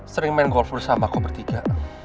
sering main golf bersama kok bertiga